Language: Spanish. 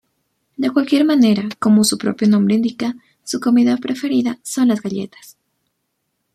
De cualquier manera, como su propio nombre indica, su comida preferida son las galletas.